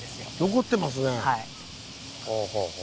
残ってますね。